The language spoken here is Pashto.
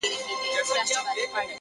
o زما په خيال هري انجلۍ ته گوره ـ